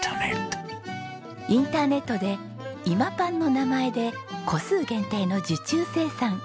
インターネットで「ｉｍａｐａｎ」の名前で個数限定の受注生産。